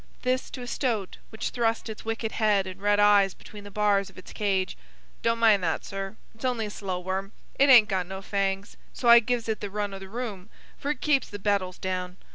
This to a stoat which thrust its wicked head and red eyes between the bars of its cage. "Don't mind that, sir: it's only a slow worm. It hain't got no fangs, so I gives it the run o' the room, for it keeps the beetles down.